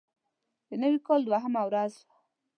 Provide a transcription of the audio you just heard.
د نوي کال دوهمه ورځ وه.